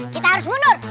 kita harus mundur